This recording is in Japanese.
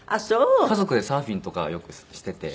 家族でサーフィンとかよくしてて。